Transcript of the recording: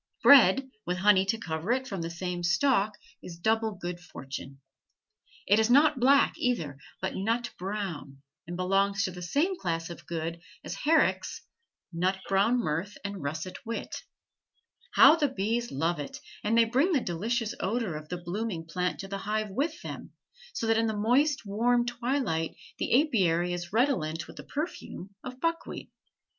Bread with honey to cover it from the same stalk is double good fortune. It is not black, either, but nut brown, and belongs to the same class of goods as Herrick's "Nut brown mirth and russet wit." How the bees love it, and they bring the delicious odor of the blooming plant to the hive with them, so that in the moist warm twilight the apiary is redolent with the perfume of buckwheat.